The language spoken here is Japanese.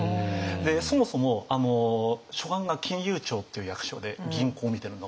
でそもそも所管が金融庁っていう役所で銀行見てるのが。